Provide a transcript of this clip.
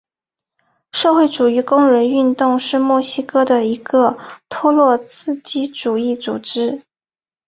社会主义工人运动是墨西哥的一个托洛茨基主义组织。